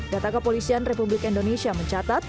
data kepolisian republik indonesia mencatat